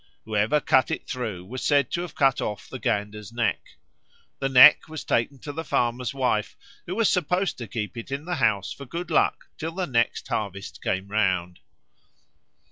Whoever cut it through was said to have cut off the gander's neck. The "neck" was taken to the farmer's wife, who was supposed to keep it in the house for good luck till the next harvest came round.